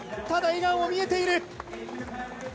ただ、笑顔も見えている。